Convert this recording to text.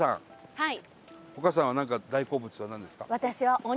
はい。